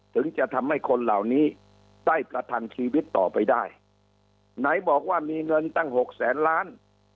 ถึงจะทำให้คนเหล่านี้ได้ประทังชีวิตต่อไปได้ไหนบอกว่ามีเงินตั้งหกแสนล้าน